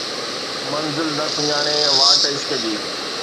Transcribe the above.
منزل نه سڃاڻي، واٽ عشق جي